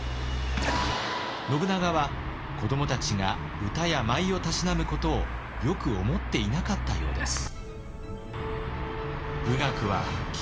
信長は子どもたちが歌や舞をたしなむことをよく思っていなかったようです。